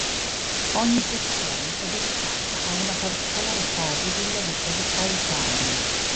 Ogni sezione è dedicata a una particolare fase della vita di Caitanya.